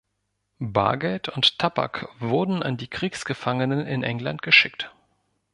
Bargeld und Tabak wurden an die Kriegsgefangenen in England geschickt.